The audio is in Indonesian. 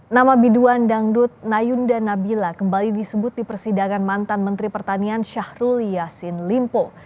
nama biduan dangdut nayunda nabila kembali disebut di persidangan mantan menteri pertanian syahrul yassin limpo